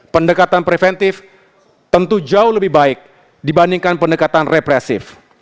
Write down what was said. pendekatan preventif tentu jauh lebih baik dibandingkan pendekatan represif